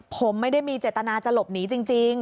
ผมไม่ได้มีเจตนาจะหลบหนีจริง